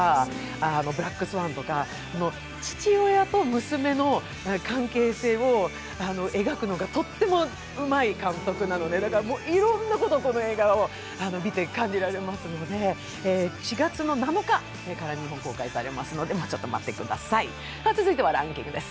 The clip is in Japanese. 父親と娘の関係性を描くのがとってもうまい監督なのでだからいろんなことをこの映画を見て感じられますので、４月７日から日本で公開されますので、もうちょっと待ってください、続いてはランキングです。